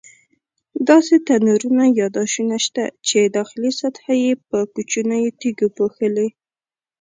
داسې تنورونه یا داشونه شته چې داخلي سطحه یې په کوچنیو تیږو پوښلې.